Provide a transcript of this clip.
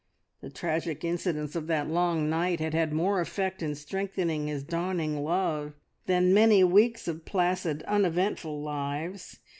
The tragic incidents of that long night had had more effect in strengthening his dawning love than many weeks of placid, uneventful lives.